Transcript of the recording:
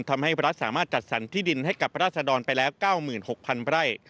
ทำให้รัฐสามารถจัดสรรที่ดินให้กับราศดรไปแล้ว๙๖๐๐๐ไร่